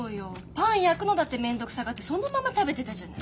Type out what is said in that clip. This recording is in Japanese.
パン焼くのだって面倒くさがってそのまま食べてたじゃない。